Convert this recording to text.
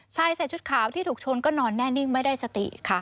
ใส่ชุดขาวที่ถูกชนก็นอนแน่นิ่งไม่ได้สติค่ะ